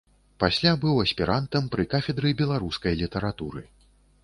Пасля быў аспірантам пры кафедры беларускай літаратуры.